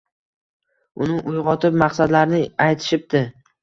Uni uyg‘otib, maqsadlarini aytishibdi